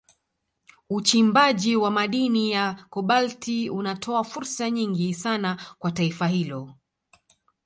Uchimbaji wa madini ya Kobalti unatoa fursa nyingi sana kwa taifa hilo